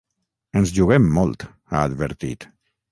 Ens juguem molt, ha advertit.